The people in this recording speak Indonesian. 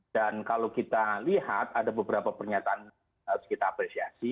dan kalau kita lihat ada beberapa pernyataan harus kita apresiasi